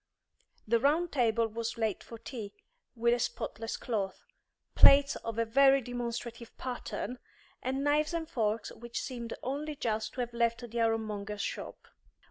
The round table was laid for tea, with a spotless cloth, plates of a very demonstrative pattern, and knives and forks which seemed only just to have left the ironmonger's shop.